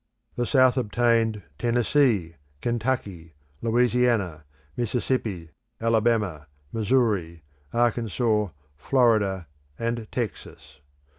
The South obtained Tennessee, Kentucky, Louisiana, Mississippi, Alabama, Missouri, Arkansas, Florida, and Texas.